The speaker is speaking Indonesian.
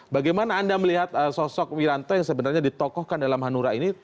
bagaimana anda melihat sosok wiranto yang sebenarnya ditokohkan dalam hanura ini